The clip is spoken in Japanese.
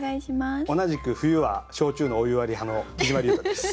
同じく冬は焼酎のお湯割り派のきじまりゅうたです。